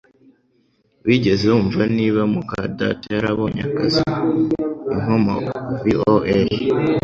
Wigeze wumva niba muka data yarabonye akazi? (Inkomoko_VOA)